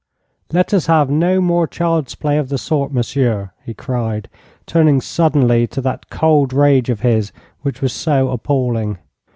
'Let us have no more child's play of the sort, monsieur,' he cried, turning suddenly to that cold rage of his which was so appalling.